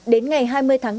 đến ngày hai mươi tháng năm